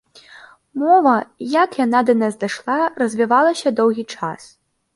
Мова, як яна да нас дайшла, развівалася доўгі час.